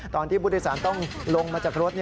ตอนที่ผู้โดยสารต้องลงมาจากรถ